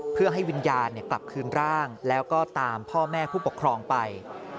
เพื่อให้วิญญาณกลับคืนร่างแล้วก็ตามพ่อแม่ผู้ปกครองไป